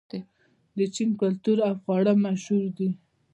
د چین کلتور او خواړه مشهور دي.